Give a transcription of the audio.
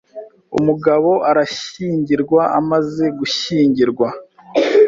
Umugabo arashyingirwa Amaze gushyingirwa